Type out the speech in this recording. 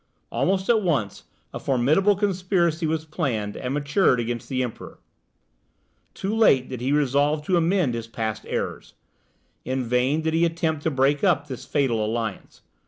Almost at once a formidable conspiracy was planned and matured against the Emperor. Too late did he resolve to amend his past errors; in vain did he attempt to break up this fatal alliance.